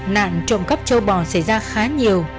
nạn trộm cắp châu bò xảy ra khá nhiều